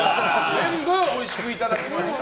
全部おいしくいただきました。